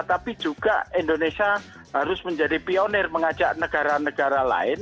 tapi juga indonesia harus menjadi pionir mengajak negara negara lain